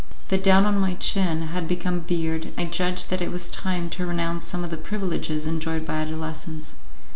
The down on my chin had become a beard, and I judged that it was time to renounce some of the privileges enjoyed by adolescence.